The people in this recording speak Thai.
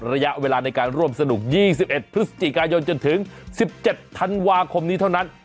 ระยะเวลาในการร่วมสนุก๒๑พฤศจิกายนจนถึง๑๗ธันวาคมนี้เท่านั้น